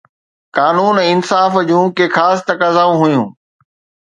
قانون ۽ انصاف جون ڪي خاص تقاضائون هيون.